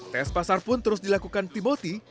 tes pasar pun terus dilakukan timoti